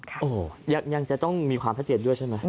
โอ้โหยังจะต้องมีความชัดเจนด้วยใช่ไหม